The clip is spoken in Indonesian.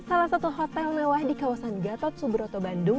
salah satu hotel mewah di kawasan gatot subroto bandung